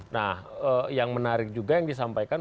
nah yang menarik juga yang disampaikan